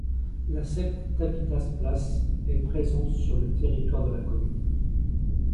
La secte Tabitha's place est présente sur le territoire de la commune.